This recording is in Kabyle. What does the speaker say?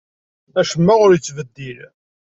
Acemma ur yettbeddil.